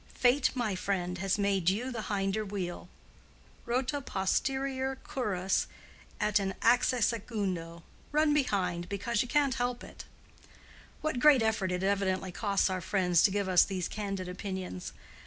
Fate, my friend, has made you the hinder wheel—rota posterior curras, et in axe secundo—run behind, because you can't help it." —What great effort it evidently costs our friends to give us these candid opinions!